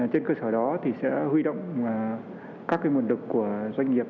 trên cơ sở đó thì sẽ huy động các nguồn lực của doanh nghiệp